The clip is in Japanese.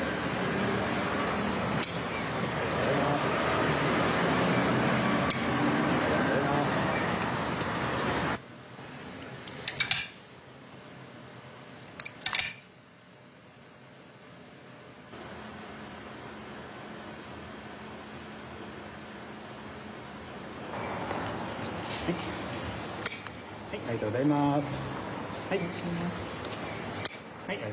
・ありがとうございます。